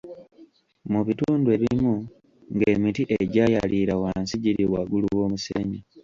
Mu bitundu ebimu ng'emiti egyayaliira wansi giri waggulu w'omusenyu.